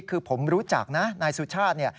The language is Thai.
คือผมรู้จักนะนายสุชาติ